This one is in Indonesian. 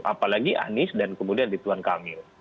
apalagi anies dan kemudian rituan kamil